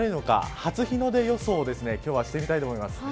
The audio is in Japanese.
初日の出予想を今日はしてみたいと思います。